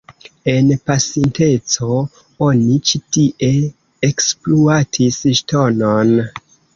En pasinteco oni ĉi tie ekspluatis ŝtonon.